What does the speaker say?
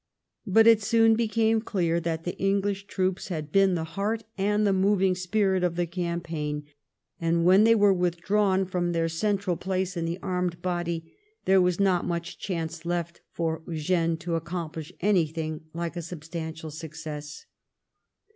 But it soon became clear that the English troops had been the heart and the moving spirit of the campaign, and that when they were withdrawn from their central place in the armed body there was not much chance left for Eugene 1712 LOUIS' HEKOIC MOOD. 55 to accomplish anything like a substantial success.